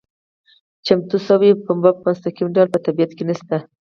چمتو شوې پنبه په مستقیم ډول په طبیعت کې نشته.